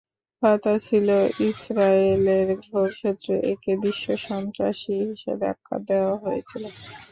Fattah ছিল ইসরায়েলের ঘোর শত্রু, একে বিশ্বসন্ত্রাসী হিসেবে আখ্যা দেওয়া হয়েছিল।